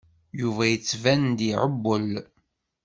Yuba yettban-d iɛewwel.